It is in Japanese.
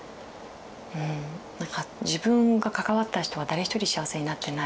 うんなんか自分が関わった人は誰一人幸せになってない。